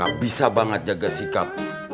kita bisa banget jaga sikap